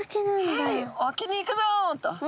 「沖に行くぞ」と。